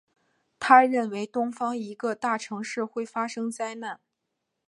他认定东方一个大城市会发生灾难。